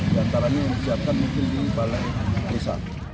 diantaranya yang disiapkan mungkin di balai desa